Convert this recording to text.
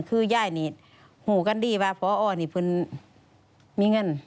คือยายนี่หูกันดีว่าพอนี่เพิ่งมีเงิน